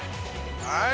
はい！